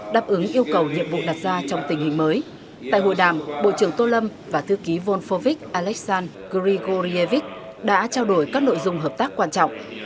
đáp ứng yêu cầu nhiệm vụ đặt ra trong tình hình mới tại hội đàm bộ trưởng tô lâm và thư ký volfovic alexan grigorievich đã trao đổi các nội dung hợp tác quan trọng